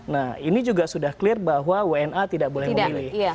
nah ini juga sudah clear bahwa wna tidak boleh memilih